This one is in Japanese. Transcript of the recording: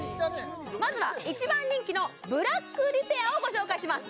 まずは一番人気のブラックリペアをご紹介します